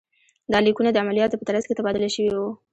دا لیکونه د عملیاتو په ترڅ کې تبادله شوي وو.